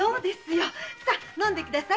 さあ飲んで下さい。